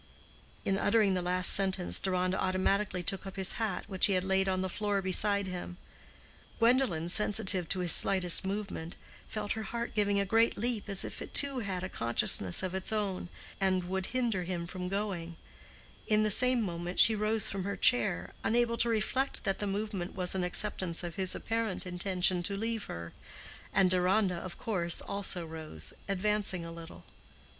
In uttering the last sentence Deronda automatically took up his hat which he had laid on the floor beside him. Gwendolen, sensitive to his slightest movement, felt her heart giving a great leap, as if it too had a consciousness of its own, and would hinder him from going: in the same moment she rose from her chair, unable to reflect that the movement was an acceptance of his apparent intention to leave her; and Deronda, of course, also rose, advancing a little.